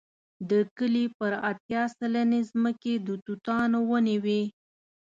د کلي پر اتیا سلنې ځمکې د توتانو ونې وې.